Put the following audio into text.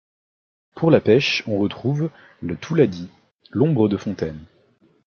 Pour la pêche, on retrouve le touladi, l'omble de fontaine.